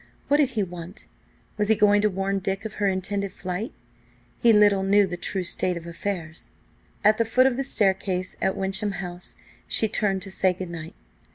What did he want? Was he going to warn Dick of her intended flight? He little knew the true state of affairs! At the foot of the staircase at Wyncham House she turned to say good night.